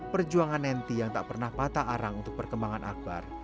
perjuangan nenty yang tak pernah patah arang untuk perkembangan akbar